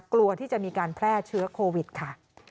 กลัวที่จะมีการแพร่เชื้อโควิดค่ะ